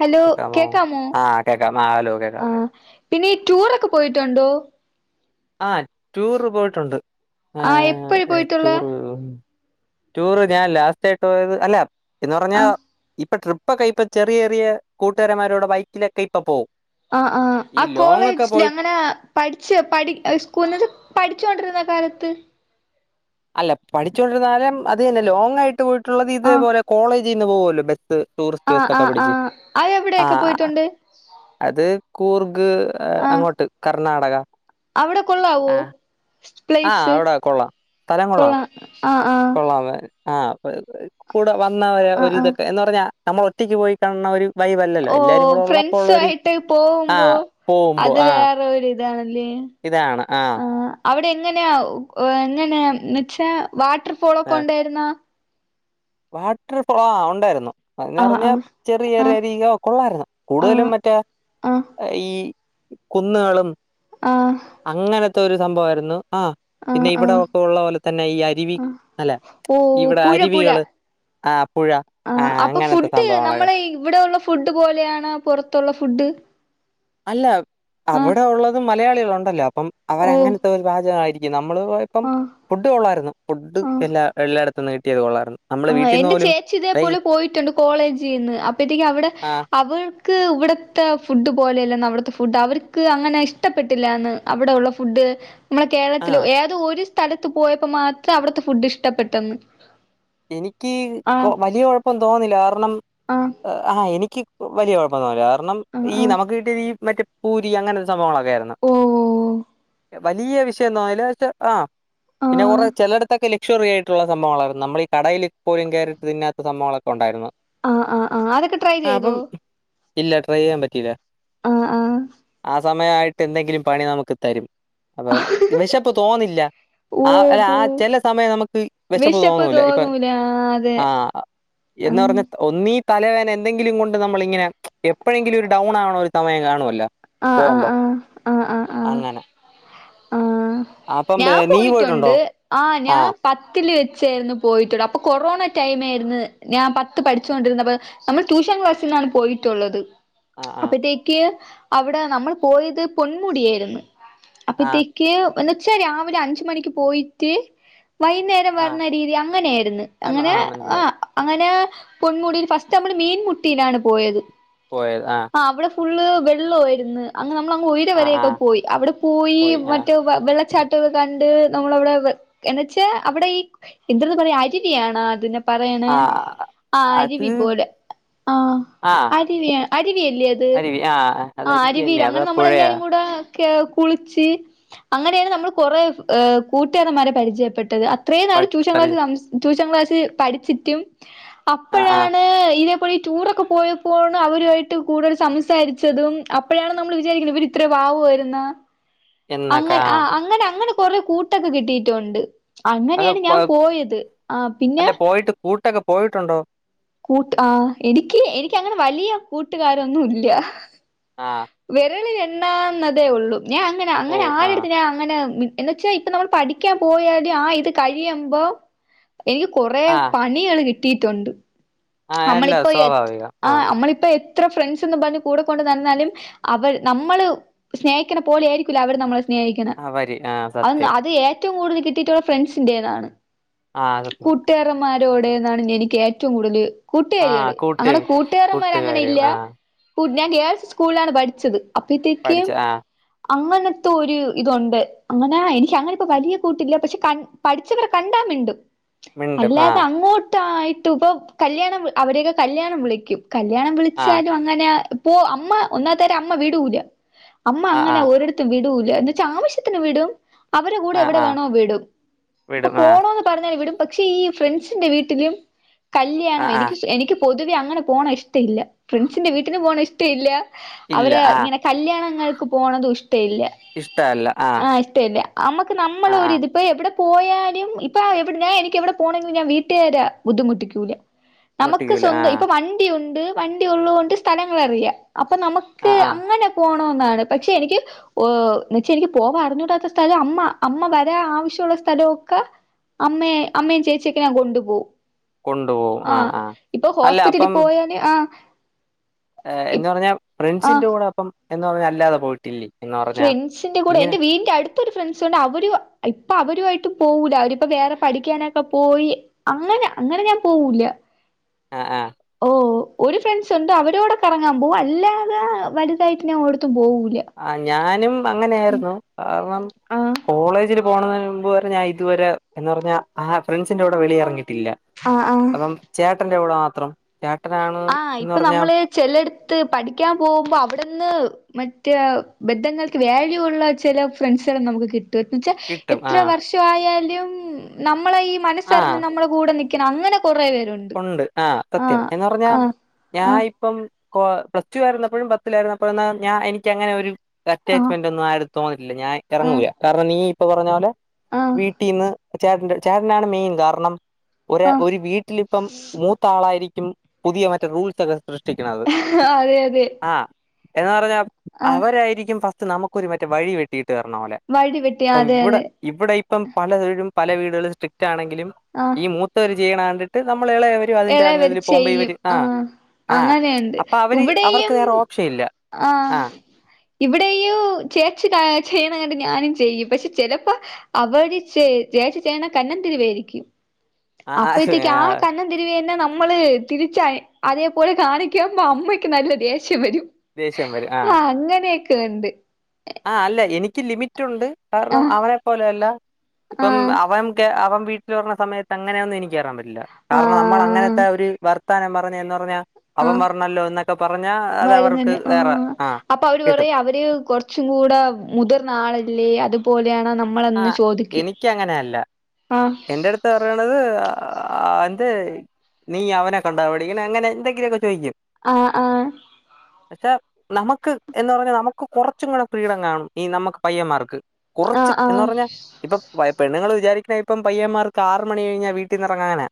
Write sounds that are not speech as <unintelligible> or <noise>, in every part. Hello കേക്കാമോ ആഹ് കേക്കാം ആ ഹലോ കേക്കാം ആ പിന്നെ ടൂറൊക്കെ പോയിട്ടുണ്ടോ ആഹ് ടൂറ് പോയിട്ടുണ്ട് ആ ആഹ് എപ്പഴ് പോയിട്ടുള്ളെ റ്റൂറ് ടൂറ് ഞാൻ ലാസ്റ്റയിട്ട് അല്ല എന്ന് ആ പറഞ്ഞാ ഇപ്പൊ ട്രിപ്പ് ഇപ്പൊക്ക ഇപ്പ ചെറിയ ചെറിയ കൂട്ടുകാരന്മാരോടെ ബൈക്കിലൊക്കെ ഇപ്പ പോവും ആഹ് ആഹ് ആ ഈ ലോങ് ഒക്കെ കോളേജില് പോയി അങ്ങനെ പഠിച്ച് പഠ സ്‌കൂളിന്ന് പഠിച്ചോണ്ടിരുന്ന കാലത്ത് അല്ല പഠിച്ചുകൊണ്ടിരുന്നാലും അത് തന്നെ ലോങ് ആയിട്ട് പോയിട്ടുള്ളത് ആ ഇത്പോലെ കോളേജിന്ന് പോവല്ലോ ബസ്സിന് ടൂറിസ്റ്റ് ആ ആ ബസ്സൊക്കെ ആ പിഠിച്ച് അത് ആ എവിടെയൊക്കെ പോയിട്ടുണ്ട് അത് കൂർഗ് ആ അങ്ങോട്ട് കർണാടക അവിടെ കൊള്ളാവോ ആഹ് ആഹ് പ്ലേസ് അവിടെ കൊള്ളാം സ്ഥലം കൊള്ളാം ആ ആ കൊള്ളാമേ ആ കൂടെ വന്നവരെ ആ ആ ഒരിതൊക്കെ എന്ന് പറഞ്ഞാ നമ്മൾ ഒറ്റക്ക് പോയി കാണണ ഒരു വൈബല്ലല്ലോ ഓ എല്ലാരും കൂടെ ഉള്ളപ്പോ ഉള്ള ഒരു ഫ്രണ്ട്സായിട്ട് ആ പോകുമ്പോ പോകുമ്പോ അത് ആ വേറെ ഒരുരിതാണല്ലേ ഇതാണ് ആ ആ അവിടെ എങ്ങനെയാ എങ്ങനെയാ എന്നച്ചാ വാട്ടർ ഫോളൊക്കെ ഉണ്ടായിരുന്നോ വാട്ടർ പു ഉണ്ടായിരുന്നു അ ആഹ് പറഞ്ഞാൽ ചെറിയ ചെറിയ ആഹ് അരിക ഒക്കെ കൊള്ളായിരുന്നു കൂടുതലും ആഹ് മറ്റേ ആഹ് ആഹ് ഈ കുന്നുകളും ആഹ് അങ്ങനത്തെ ഒരു സംഭവമായിരുന്നു ആഹ് ആഹ് പിന്നെ ഇവിടെ ആഹ് ഒക്കെ ഉള്ള പോലെ തന്നെ ഈ അരുവി ആഹ് അല്ല ഓഹ് ഇവിടെ പുഴ പുഴ അരുവികള് ആ പുഴ ആ ആഹ് അപ്പ അങ്ങനത്തെ ഫുഡ് സംഭവങ്ങളൊക്കെ നമ്മളെ ഇവിടൊള്ള ഫുഡ് പോലെയാണോ പൊറത്തുള്ള ഫുഡ്? അല്ല ആഹ് അവടെ ഒള്ളതും മലയാളികളൊണ്ടല്ലോ അപ്പം ഓഹ് അവരങ്ങനത്തൊര് പാചകായിരിക്കും നമ്മള് ഇപ്പം ആഹ് ഫുഡ് കൊള്ളാരുന്നു ഫുഡ് ആഹ് എല്ലാ എല്ലാടത്തന്നും കിട്ടിയത് കൊള്ളാരുന്നു. ആഹ് എന്റെ ചേച്ചി ഇതേ പോലെ പോയിട്ടുണ്ട് കോളേജിന്ന് അപ്പഴ്ത്തേക്ക് അവടെ ആഹ്, അവ് ക്ക് ഇവട്ത്തെ ഫുഡ് പോലെയല്ലന്ന് അവിടുത്തെ ഫുഡ് അവ് ര്ക്ക് അങ്ങനെ ഇഷ്ടപ്പെട്ടില്ലാന്ന് അവിടെയൊള്ള ഫുഡ്. മ്മളെ കേരളത്തിലു ആഹ്. ഏതോ ഒര് സ്ഥലത്ത് പോയപ്പോ മാത്രം അവിടുത്തെ ഫുഡ് ഇഷ്ടപ്പെട്ടന്ന്. എനിക്ക് വലിയ കൊഴപ്പം തോന്നില്ല കാരണം ആഹ് ആഹ് എനിക്ക് വലിയ കൊഴപ്പൊന്നുല്ല കാരണം ആഹ് ഈ ആഹ് നമക്ക് കിട്ടിയ ഈ മറ്റേ പൂരി അങ്ങനത്തെ സംഭവങ്ങളാ. <unintelligible> ഓഹ് വലിയ വിഷയൊന്നു ആയില <unintelligible> ആഹ് പിന്നെ ആഹ് കൊറേ ചെലെടത്തക്കെ ലക്ഷ്യറി ആയിട്ടുള്ള സംഭവങ്ങളായിരുന്നു നമ്മളീ കടയിലിപ്പൊഴും കേറിട്ട് തിന്നാത്ത സംഭവങ്ങളൊക്കെ ഒണ്ടായിരുന്നു ആഹ് ആഹ് ആഹ് അതൊക്കെ ട്രൈ ചെയ്തോ അപ്പം ഇല്ല ട്രൈ ചെയ്യാൻ പറ്റീല. ആഹ് ആഹ് സമയായിട്ടെന്തെങ്കിലും പണി നമുക്ക് തരും. അപ്പം വെശപ്പ് തോന്നില്ല ആ ഓഹ് അല്ല പോ ആ ചെല സമയം നമുക്ക് വെശപ്പ് വിശപ്പ് തോന്നൂല ഇപ്പ് പ്പം ആഹ് അതെ ആഹ് ആഹ് എന്നാറഞ്ഞെ ഒന്നീ തലവേന എന്തെങ്കിലും കൊണ്ട് നമ്മളിങ്ങനെ എപ്പഴെങ്കിലും ഒരു ഡൗൺ ആവണരു സമയം കാണുവല്ലോ. ആഹ് ആഹ് ആഹ് ആഹ് ആഹ് അങ്ങനെ. ആഹ് ആഹ് അപ്പം ഞാൻ ഏ, നീ പോയിട്ടുണ്ടോ? പോയിറ്റൊണ്ട് ആഹ് ആ. ഞാം പത്തില് വെച്ചെരുന്നു പോയിട്ടുള്ള അപ്പ കൊറോണ ടൈമേരുന്ന് ഞാൻ പത്ത് പഠിച്ചുകൊണ്ടിരുന്നപ്പൊ. നമ്മള് ട്യൂഷൻ ക്ലാസ്സിന്നാണ് പോയിട്ടുള്ളത്. ആ ആ അപ്പത്തേക്ക് അവ്ടെ നമ്മള് പോയത് പൊന്മുടിയാര്ന്ന് ആ അപ്പത്തേ ക്ക് എന്ന്ച്ച രാവിലെ അഞ്ച് മണിക്ക് പോയിട്ട് വൈന്നേ രം ആ വര്ണ രീതി അങ്ങനെയാര്ന്ന് പറഞ്ഞോ. അങ്ങനേ ആ മനസ്സിലായി. ആഹ് അങ്ങന പൊൻമുടീല് ഫസ്റ്റമ്മള് മീൻമുട്ടീലാണ് പോയത്. പോയത് ആഹ് ആഹ് അവ്ടെ ഫുള്ള് വെള്ളൊവാര്ന്ന്. അങ്ങ് നമ്മളങ്ങ് ഉയിര് ആ ആ വരെയൊക്കെ പോയി അവിടെ പോയി മറ്റെ വെള്ളച്ചാ ട്ടൊക്ക കണ്ട് നമ്മളവിടെ എന്നച്ചാ അവ്ടെ ഈ എന്തെന്ന് പറയാ അരുവിയാണ് അതിനെ പറയ്ണേ ആ ആഹ് അത് അരിവി പോലെ ആഹ് അരിവിയ അരിവിയല്ലേ അത്? <unintelligible> ആഹ് ആഹ് അരിവീര് അങ്ങനെ നമ്മളെല്ലാരും കൂടേ ക്കെ കുളിച്ച് അങ്ങനെയാണ് നമ്മള് കൊറെ ഏഹ് കൂട്ടുകാരന്മാരെ പരിചയപ്പെട്ടത് അ ത്രേ നാള് പ- ട്യൂഷൻ ക്ലാസ്സി പരി- സം ട്യൂഷൻ ക്ലാസ്സി പഠിച്ചിറ്റും ആ ആ അപ്പഴാണ് ഇതേപോലെ ടൂറൊക്ക പോയപ്പോണ് അവരുവായിട്ട് കൂടുതൽ സംസാരി ച്ചതും അപ്പഴാണ് നമ്മള് വിചാരിക്ക്ണ ഇവര് ഇത്ര പാവുവായിരുന്ന്. എന്നൊക്കെ അങ്ങന ആ. ആഹ് അങ്ങനെ അങ്ങനെ കൊറേ കൂട്ടൊക്ക കിട്ടീട്ടുണ്ട്. അങ്ങനെയാണ് അത് ഞാൻ പോയത് ആഹ് പിന്നെ ട്ടൊക്ക പോയിട്ടുണ്ടോ? കൂട്ട് ആഹ് എനിക്ക് എനിക്കങ്ങനെ വലിയ കൂട്ടുകാരൊന്നു ഇല്ല. ആഹ് വെരളിലെണ്ണാവുന്നതേ ഉള്ളു ഞാൻ അങ്ങനെ ഓ അങ്ങനെ ആ ആരെടുത്ത് ഞാൻ അങ്ങനെ മി എന്നച്ചാ ഇപ്പ നമ്മള് പഠിക്കാൻ പോയാല് ആഹ് ഇത് കഴിയുമ്പോ എനിക്ക് കൊറേ ആ പ ണികള് കിട്ടീട്ടുണ്ട് ആ അല്ല അമ്മളിപ്പൊ എത്ര സ്വാഭാവികം ആ ആഹ് അമ്മളിപ്പ എ ത്ര ഫ്രണ്ട്സ്ന്ന് പറഞ്ഞ് കൂടെ കൊണ്ട് നടന്നാലും അവര് നമ്മള് സ്നേഹിക്ക്ണ പോലെ ആയിരിക്കൂല അവര് നമ്മളെ സ്നേഹിക്ക്ണ ആ വരി ആ അത് ന്ന സത്യം അത് ഏറ്റവും കൂടുതല് കിട്ടിട്ടുള്ള ഫ്രണ്ട്സിന്റേന്നാണ്. ആഹ് അത് സത്യാണ്. കൂട്ട്കാരമ്മാരോടേന്നാണ് എനിക്ക് ഏറ്റവും കൂട്തല് ആ കൂട്ട്കാരികള് കൂട്ട് അങ്ങനെ കൂട്ടുകാരമ്മാരങ്ങനെ കൂട്ടുകാരികൾ ഇല്ലാ ആ ഞാൻ ഗേൾസ് സ്കൂള്ലാണ് പഠിച്ചത് അപ്പത്തേക്ക് പഠിച്ച ആ അങ്ങനത്തൊര് ഇതുണ്ട് അങ്ങനെ എനിക്ക് അങ്ങനിപ്പൊ വലിയ കൂട്ടില്ല പക്ഷെ കൺ പഠിച്ചവർ കണ്ടാമിണ്ടും മിണ്ടും ആ അല്ലാതെ അങ്ങോട്ടായിട്ട് ഇപൊ കല്യാണം അവരെയൊക്കെ കല്ല്യാണം വിളിക്കും കല്യാണം ആ വിളിച്ചാലും അങ്ങനെ ഇപ്പോ അമ്മ ഒന്നാത്തയ്ന് അമ്മ വിടൂല അമ്മ ആ ആ അങ്ങനെ ഒരിടത്തും വിടൂല എന്നെച്ച ആവശ്യത്തിന് വിടും അവരെ കൂടെ ആ ആ എവിടെവേണോ വിടും ഇപ്പൊ വിടും ആ പോണോന്ന് പറഞ്ഞാല് വിടും പക്ഷേ ഈ ഫ്രണ്ട്സിന്റെ വീട്ടിലും ആ കല്യാണം ആ എനിക്ക് എനിക്ക് പൊതുവെ അങ്ങനെ പോണ ഇഷ്ട ഇല്ല ഫ്രണ്ട്സിന്റെ വീട്ടിന് പോണ ഇഷ്ട ഇല്ല ഇല്ല അവരെ ആ ഇങ്ങനെ കല്യാണങ്ങൾക്ക് പോണതു ഇഷ്ട ഇല്ല ഇഷ്ടല്ല ആ ആഹ് ഇഷ്ട്ട ഇല്ല നമ്മക്ക് ആ ആ നമ്മളൊരിത് ഇപ്പ എവിടെ പോയാലും ഇപ്പ എവിടെ ഞാൻ എനിക്ക് എവിടെ പോണെങ്കിലും ഞാൻ വീട്ട്കാരെ ബുദ്ധിമുട്ടിക്കൂല നമുക്ക് മുട്ടിക്കൂല ആ സ്വന്തം ഇപ്പൊ വണ്ടിയുണ്ട് വണ്ടിയുള്ളകൊണ്ട് സ്ഥലങ്ങളറിയ അപ്പൊ നമ ആ ക്ക് ആ അങ്ങനെ പോണോന്നാണ് പക്ഷെ എനിക്ക് ഓഹ് എന്നെച്ച എനിക്ക് പോവാൻ അറിഞ്ഞൂടാത്ത സ്ഥലം അമ്മ അമ്മ വരാ ആവശ്യുള്ള സ്ഥലൊ ഒക്ക അമ്മേ അമ്മേം ചേച്ചിയൊക്കെ ഞാൻ കൊണ്ടു പോവും കൊണ്ടോ ആഹ് ഇപ്പൊ ഹോസ്പിറ്റലി പോയാല് ആഹ് ഏഹ് എന്ന്പറഞ്ഞാ ആഹ് ഫ്രണ്ട്സിന്റെ കൂടപ്പം എന്ന് പറഞ്ഞല്ലാതെ പോയിട്ടില്ലേ എന്ന് പറഞ്ഞാ ഫ്രണ്ട്സിന്റെ കൂടെ ഇങ്ങനെ എന്റെ വീടിന്റട് ഇപ്പൊരു ഫ്രണ്ട്സ്ണ്ട് അവര് ഇപ്പൊ അവരുആയിട്ട് പോവൂല അവരിപ്പൊ വേറെ പഠിക്കാനൊക്കെ പോയി അങ്ങനെ അങ്ങനെ ഞാൻ പോവൂല ആഹ് ആഹ് ഓ ഒരു ഫ്രണ്ട്സുണ്ട് അവരൂടെ കറങ്ങാൻ പോകും അല്ലാതെ വലുതായിട്ട് ഞാൻ ഒരേടത്തും പോവൂല ആഹ് ഞാനും ഉം അങ്ങനെയായിരുന്നു കാരണം ആഹ് കോളേജില് പോണതിന് മുമ്പ് വരെ ഞാൻ ഇതുവരെ എന്ന് പറഞ്ഞ ആ ഫ്രണ്ട്സിന്റെ കൂടെ വെളിയെറങ്ങീട്ടില്ല ആഹ് ആഹ് അപ്പം ചേട്ടന്റെ കൂടെ മാത്രം ചേട്ടനാണ് ആഹ് എന്ന് ഇപ്പൊ പറഞ്ഞാ നമ്മള് ചെലെടുത്ത് പഠിക്കാൻ പോകുമ്പൊ അവിടന്ന് മറ്റേ ബന്ധങ്ങൾക്ക് വാല്യൂ ഉള്ള ചെല ഫ്രണ്ട്സ്കളും നമുക്ക് കി ട്ടു എന്നെച്ചാ കിട്ടും എത്ര ആഹ് വർഷവായാലും നമ്മളെ ഈ ആഹ് മനസ്സറിഞ്ഞ് നമ്മളെ കൂടെ നി ക്ക്ണ അങ്ങനെ കുറേ പേരുണ്ട് ഉണ്ട് ആഹ് സത്യം എന്നറഞ്ഞാ ആഹ് ഞാഇപ്പം കോ പ്ലസ് ടു ആയിരുന്നപ്പഴും പത്തിലായിരുന്നപ്പഴും ഞാൻ എനിക്കങ്ങനൊരു ആഹ് അറ്റാച്ച്മെന്റൊന്നും ആരെത്തോന്നിട്ടില്ല ഞാൻ ആഹ് എറങ്ങൂല കാരണം നീ ഇപ്പ പറഞ്ഞപോലെ ആഹ് വീട്ടിന്ന് ചേട്ടന്റെ ചേട്ടനാണ് മെയിൻ കാരണം ഒര് ആഹ് ഒരു വീട്ടിലിപ്പം മൂത്താ ളായിരിക്കും പുതിയ മറ്റെ റൂൾസൊക്കെ സൃഷ്ടിക്ക്ണത് അതെ അതെ ആഹ് എന്ന് പറഞ്ഞാ ആഹ് അവരായിരിക്കും ഫസ്റ്റ് നമുക്കൊരു മറ്റെ വഴി വെട്ടിയിട്ട് തര്ണപോലെ വടി വെട്ടി അതെ ഇവിടെ അതെ ഇവിടെയിപ്പം പലതെഴും പല വീടുകളും സ്ട്രിക്റ്റാണെങ്കിലും ആഹ് ഈ മൂ ത്തവര് ചെയ്യ്ണകണ്ടിട്ട് നമ്മളെഎളയവരും എളയവര് ചെയ്യും ആഹ് ആഹ് അങ്ങനെയ്ണ്ട് അപ്പൊ അവര് അവർക്ക് ഇവിടെയും വേറെ ഓപ്ഷൻ ഇല്ല ആഹ് ഇവിടെയും ചേച്ചി ചെയ്യ്ണ കണ്ട് ഞാനും ചെയ്യും പക്ഷെ ചെലപ്പൊ അവര് ചെ ചേച്ചി ചെയ്യ്ണ കന്നന്തിരിവായിരിക്കും അപ്പഴത്തേക്ക് ആ ആഹ് കന്ന ന്തിരിവെന്നെ നമ്മള് തിരിച്ച് അതേപോലെ കാണിക്ക്മ്പൊ അമ്മക്ക് നല്ല ദേഷ്യം വരും ദേഷ്യം വരും അങ്ങനെയൊക്ക്ണ്ട് ആ അല്ല എനിക്ക് ലിമിറ്റ് ഉണ്ട് കാരണം ആഹ് അവന നെ പോലെ അല്ല ഇപ്പം ആഹ് അവൻ അവൻ വീട്ടിൽ വര്ന്ന സമയത്ത് അങ്ങനെയൊന്നും എനികേറാൻ പറ്റ ത്തില്ല കാരണം നമ്മൾ ആഹ് അങ്ങനത്തെ ഒരു വർത്താനം പറഞ്ഞ ന്ന് പറഞ്ഞാ അവൻ ആഹ് പറഞ്ഞല്ലോ എന്നൊക്കെ പറഞ്ഞാൽ അത് അവർക്ക് വരുന്നുണ്ട് വേറെ ആ കിട്ടും ടൂ കൊറച്ചും കൂടെ മുതിർന്ന ആളല്ലേ അതുപോലെയാണോ നമ്മ നമ്മളന്ന് ആഹ് ചോദിക്കും ആഹ് തറിയണത് ആ ആ എന്ത് നീ അവനെ കണ്ട പടിക്കനെ അങ്ങനെ എന്തെങ്കിലൊക്കെ ചോയിക്കും ആഹ് ആഹ് പക്ഷെ നമുക്ക് എന്ന് പറഞ്ഞാ നമുക്ക് കുറച്ചും കൂടെ ഫ്രീഡം കാണും ഈ നമ്മക്ക് പയ്യന്മാർക്ക് കൊറച്ച് ആഹ് ആഹ് ഇപ്പൊ പെണ്ണങ്ങൾ വിചാരിക്കണ ഇപ്പം പയ്യന്മാർക്ക് ആറ് മണി കഴിഞ്ഞാ വീട്ടിൽന്ന് ഇറങ്ങ അങ്ങനെ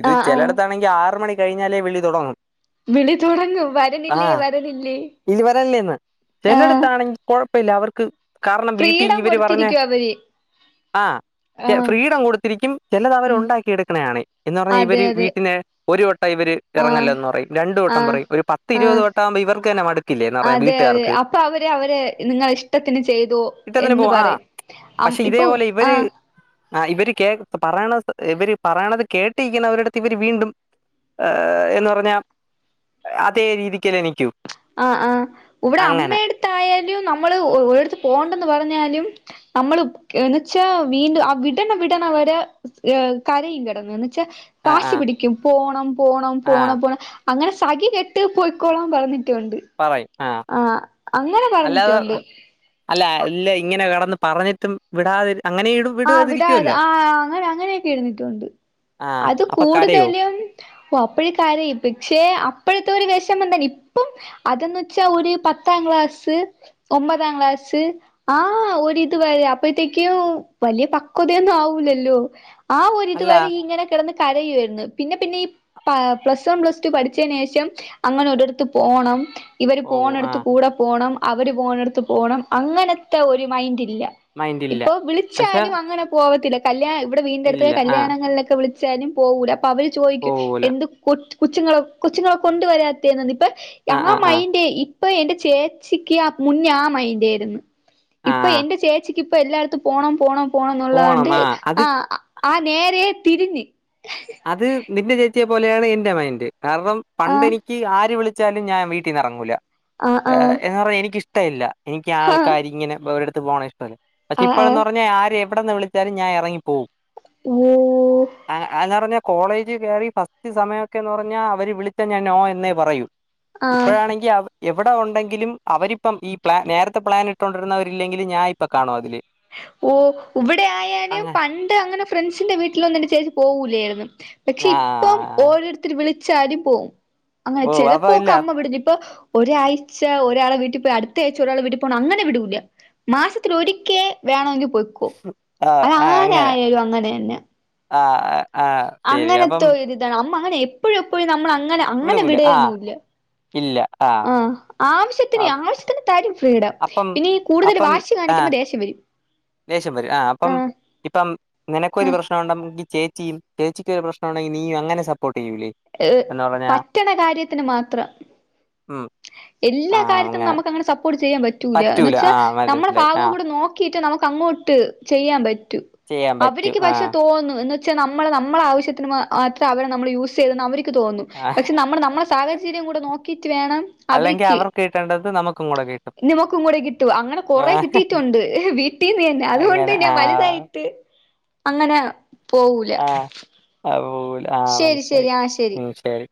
ഇത് ആഹ് ആഹ് ചിലയിടത്താണെങ്കി ആറ് മണി കഴിഞ്ഞാലേ വിളി തുടങ്ങും വിളി തുടങ്ങും വരണില്ലേ ആഹ് വരണില്ലേ ഇയ്യ് വരല്ലേന്ന് ആഹ് ചിലടുത്താണെങ്കി കൊഴപ്പല്ല അവർക്ക് കാരണം വീട്ടിൽ ഫ്രീഡം ഇവര് പറഞ്ഞ കൊടുത്തിരിക്കും അവര് ആഹ് ഫ്രീഡം കൊടുത്തിരിക്കും ചിലത് അവർ ഉം ഉണ്ടാക്കി എടുക്കണാണ് എന്ന് പറഞ്ഞാൽ അതെ ഇവര് അതെ വീട്ട്ല് ഒരു വട്ടം ഇവര് ആഹ് ഇറങ്ങല്ലന്ന് പറയും രണ്ടുവട്ടം ആഹ് പറയും ഒരു പത്തിരുപത് ആഹ് വട്ടാഉമ്പോ ഇവർക്കന്നെ മടുക്കില്ലേ എന്ന് പറയാൻ വീട്ടുകാർക്ക് അപ്പ അവര് അവരെ നിങ്ങ ഇഷ്ടത്തിന് ചെയ്തോ ഇട്ടതിന് എന്ന് പോ ആ പറയും അം പക്ഷെ ഇപ്പൊ ഇതേപോലെ ഇവര് ആഹ് ആഹ് ഇവര് കേ പറയണ ഇവര് പറയണത് കേട്ടിരിക്കനവരുടുത്ത് ഇവര് വീണ്ടും ഏഹ് എന്ന് പറഞ്ഞ അതേ രീതിക്കന്നെ നിക്കു ആഹ് ആഹ് ഇവടെ അമ്മെടുത്ത് ആയാലും നമ്മള് ഒ ഒരുടത്ത് പോണ്ടെന്ന് പറഞ്ഞാലും നമ്മള് കെന്ന്ച്ചാ വീണ്ടും വിടണ വിടണ വരെ ഏഹ് കരയും കിടന്ന് എന്ന്ച്ചാ ആ ആ പാശി പിടിക്കും പോണം പോണം ആ പോണം പോണം അങ്ങനെ സഖി കെട്ട് പോയ്ക്കോളാൻ പറയും ട്ടൊണ്ട് പറയും ആഹ് അല്ലാതെ പറഞ്ഞിട്ടുണ്ട് അല്ല അല്ല ഇങ്ങനെ കിടന്ന് പറഞ്ഞിട്ടും വിടാതി അങ്ങനെയിടും ആ അവിട ആ അങ്ങനെ അങ്ങനെയൊക്കെ ഇടുന്നിട്ടുണ്ട് ആഹ് അത് അപ്പൊ കരയോ കൂടുതലും ഓ അപ്പയെ കരയും പക്ഷെ അപ്പോഴത്തെ ഒരു വെഷമം തന്നെ ഇപ്പം അതന്ന് വെച്ചാ ഒരു പത്താം ക്ലാസ് ഒമ്പതാം ക്ലാസ് ആഹ് ഒരു ഇതു വരെ അപ്പത്തേക്കും വല്യ പക്വതയൊന്നും ആവൂല്ലല്ലോ ആ അല്ല ഒരിതുവരെ ഇങ്ങനെ കിടന്ന് കരയായിരുന്നു പിന്നെ പിന്നെ ഈ പ പ്ലസ് വൺ പ്ലസ് ടു പഠിച്ചയ്നേഷം അങ്ങനെ ഒരിടത്ത് പോണം ഇവര് ഓ പോണെടുത്ത് ആഹ് കൂടെ പോണം അവര് പോണെടുത്ത് പോണം അങ്ങനത്തെ ഒരു മൈൻഡ് ഇല്ല മൈൻഡ് ഇല്ല പക്ഷെ ച്ചാലും അങ്ങനെ പോവത്തില്ല കല്യാണം ഇവിടെ വീടിൻ്റെടുത്ത് ഇല്ല ആഹ് കല്യാണങ്ങളിലൊക്കെ വിളി ച്ചാലും പോവുല അപ്പൊ അവര് ചോയിക്കും പോവൂല എന്ത് കുത്ത് കൊച്ചുങ്ങളെ കൊച്ചുങ്ങളെ കൊണ്ടുവരാത്തന്ന് ഇപ്പൊ ആഹ് ഞങ്ങള് ആഹ് ആഹ് മൈൻഡേ ഇ ഇപ്പൊ എന്റെ ചേച്ചിക്ക് ആ മുന്ന ആ മൈൻഡ് ആയിരുന്നു ആഹ് ഇപ്പൊ ആഹ് എന്റെ ചേച്ചിക്ക് ഇപ്പൊ എല്ലായിടത്തും പോണം പോണം പോണം പോണംന്നുള്ളാണ്ട് ആഹ് അത് ആ ആഹ് നേരെ തിരിഞ്ഞ് അത് നിന്റെ ചേച്ചിയെ പോലെയാണ് എൻറെ മൈൻഡ് കാരണം ആ പണ്ട് എനി ക്ക് ആര് വിളിച്ചാലും ഞാൻ വീട്ടീന്ന് ഇറങ്ങൂല ആ ആ എന്ന് പറഞ്ഞാ എനിക്കിഷ്ടല്ല എനിക്ക് ഹ ആൾക്കാരിങ്ങെനേ ഒരിടെത്ത് പോണഷ്ടല്ല പക്ഷെ ആ ആ ഇപ്പോഴന്ന് പറഞ്ഞാ ആരേം വടെന്ന് വിളിച്ചാലും ഞാനേറങ്ങിപ്പോവും ഉം ആഹ് ആല പർഞെ കോളേജ് കേറി ഫസ്റ്റ് സമയൊക്കെന്ന് പറഞ്ഞാ അവര് വിളിച്ചാ ഞാൻ നോ എന്നേ പറയൂ ആ ഇപ്പഴാണെങ്കി അവ് എവിടെ ഉണ്ടെങ്കിലും അവരിപ്പം ഈ പ്ലാൻ നേരത്തെ പ്ലാൻ ഇട്ടോണ്ടിരുന്നവരില്ലെങ്കില് ഞാനിപ്പൊ കാണുമതില് ഒഹ് ഇവിടെ ആയാല് പണ്ട് അങ്ങനെ ഫ്രണ്ട്സിന്റെ വീട്ടിലൊന്നും ചേച്ചി പോവൂലായിരുന്നു പക്ഷെ ആ ഇപ്പം ഓരോരുത്തർ വിളിച്ചാലും പോവും അങ്ങനെ ഓ അപ്പൊ ചെലപ്പോക്കെ ഇല്ല അമ്മ വിടില്ല ഇപ്പൊ ഒരാഴ്ച ഒരാളെ വീട്ടി പോയി അടുത്ത ആഴ്ച ഒരാൾെ വീട്ടി പോണെ അങ്ങനെ വിടൂല്ല മാസത്തില് ഒരിക്കെ വേണെങ്കി പോയ്ക്കോ ആ അത് ആരായാലും അങ്ങനെന്നെ ആഹ് അങ്ങനത്തോരിതാണ് അമ്മ അങ്ങനെത്തോര് താണ് അമ്മ അങ്ങനെ എപ്പഴും എപ്പഴും നമ്മൾ അങ്ങനെ അങ്ങനെ വിടൂല ആ വിടയൊന്നുല്ല ഇല്ല ആഹ് ആഹ് ആവശ്യത്തിന് ആവശ്യത്തിന് തരും ഫ്രീഡം. അപ്പം പിന്നെ ഈ കൂടുതല് വാശി കാണിക്കുമ്പോ ദേശം വെരും. ദേശ്യം വെരും ആഹ് അപ്പം ഇ പ്പം നിനക്കൊരു ആഹ് പ്രശ്നൊണ്ടെംങ്കി ചേച്ചി യിം ചേച്ചിക്കൊരു പ്രശ്നൊണ്ടെങ്കി നീയും അങ്ങനെ സപ്പോട്ടൊയ്യൂല്ലേ? ഏഹ് പറ്റണ കാര്യത്തിന് മാത്രം. ഉം ആ എല്ലാ കാര്യത്തും അങ്ങനെ നമക്കങ്ങനെ സപ്പോട്ട് ചെയ്യാൻ പറ്റൂല എന്നെച്ച ആ നമ്മളെ മനസ്സിലായി ആ ഭാഗം കൂടെനോ ക്കീട്ട് നമക്കങ്ങോട്ട് ചെയ്യാൻ പറ്റൂ ചെയ്യാൻ പറ്റും അവരിക്ക് ആ പക്ഷെ തോന്നും എന്ന് ച്ചാ നമ്മള് നമ്മളാവശ്യത്തിന് മാ മാത്ര അവരെ നമ്മള് യൂസെയ്തെന്ന് അവര്ക്ക് തോന്നും. ആ പക്ഷെ നമ്മള് നമ്മളെ സാഹ ചര്യം കൂടെ നോക്കിട്ട് വേണം അല്ലെങ്കിൽ അവരിക്ക് അവർക്ക് കിട്ടേണ്ടത് നമുക്കും കൂടെ കിട്ടും. നമ്മക്കും കൂടെ കിട്ടും അങ്ങനെ കൊറേ ആഹ് കിട്ടിയിട്ടുണ്ട്. വി ട്ടീനെന്നെഅതുകൊണ്ട് അങ്ങനെ ഞാൻ ആഹ് വല്തായിട്ട് അങ്ങനെ പോവൂല. അഹ് പോവൂല ആഹ് ശരി മനസ്സിലായി ശരി ആഹ് ശരി ഉം ശെരി.